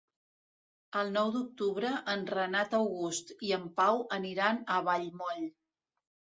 El nou d'octubre en Renat August i en Pau aniran a Vallmoll.